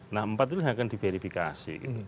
nah empat itu yang akan diverifikasi